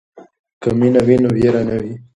که مینه وي نو وېره نه وي.